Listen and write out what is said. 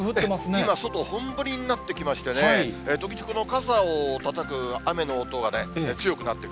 今、外、本降りになってきましたね、時々、傘をたたく雨の音が強くなってくる。